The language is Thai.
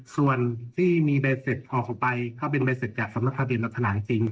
ส่วนที่มีใบเสร็จออกออกไปเขาเป็นใบเสร็จจากสำนักทะเบียนรัฐนาจริง